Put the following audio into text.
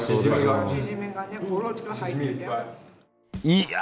いや。